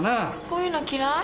こういうの嫌い？